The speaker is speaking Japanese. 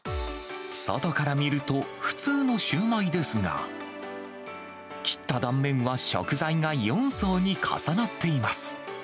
外から見ると、普通のシューマイですが、切った断面は食材が４層に重なっています。